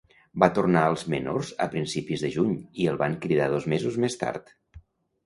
Va tornar als menors a principis de juny i el van cridar dos mesos més tard.